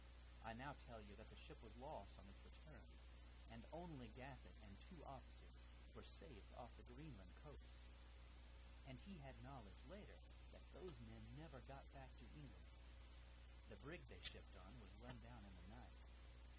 I now tell you that the ship was lost on its return, and only Gaffett and two officers were saved off the Greenland coast, and he had knowledge later that those men never got back to England; the brig they shipped on was run down in the night.